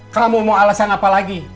kamu mau alasan apa lagi